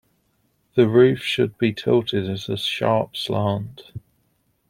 The roof should be tilted at a sharp slant.